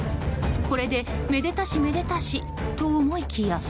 これでめでたし、めでたしと思いきや